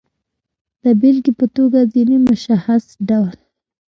د بېلګې په توګه، ځینې مشخص ډول